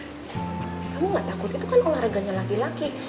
kamu gak takut itu kan olahraganya laki laki